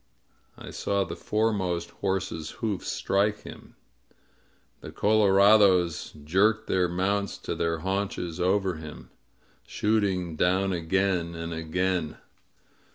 I saw the foremost horse's hoofs strike him. The color ados jerked their mounts to their haunches over him, shooting down again and again.